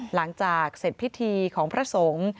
หลังจากเสร็จพิธีของพระสงฆ์